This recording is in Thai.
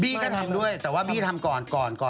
บี้ก็ทำด้วยแต่ว่าบี้ทำก่อน